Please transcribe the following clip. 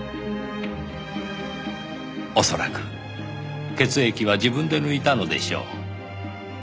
恐らく血液は自分で抜いたのでしょう。